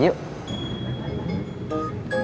ah ikut saya yuk